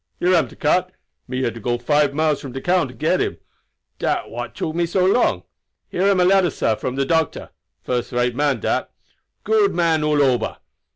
"Here am de cart. Me had to go to five miles from de town to get him. Dat what took me so long. Here am a letter, sah, from the doctor. First rate man dat. Good man all ober."